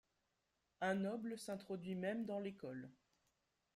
Un noble s’introduit même dans l’école.